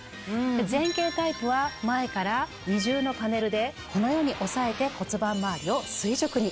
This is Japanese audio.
前傾タイプは前から二重のパネルでこのように押さえて骨盤周りを垂直に。